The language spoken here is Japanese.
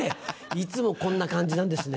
いつもこんな感じなんですね。